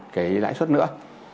cái lãi suất nữa